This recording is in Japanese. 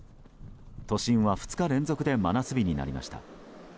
都心は２日連続で真夏日になりました。